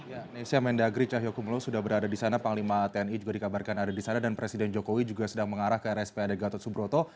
ya nesya mendagri cahyokumulo sudah berada di sana panglima tni juga dikabarkan ada di sana dan presiden jokowi juga sedang mengarah ke rspad gatot subroto